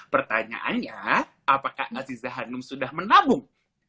pertanyaannya apakah aziza hanum sudah menabung